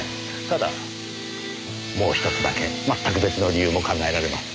ただもう１つだけまったく別の理由も考えられます。